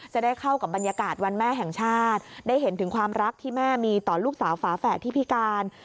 จะได้เข้ากับบรรยากาศวันแม่แห่งชาติได้เห็นถึงความรักที่แม่มีต่อลูกสาวฝาแฝดที่พิการ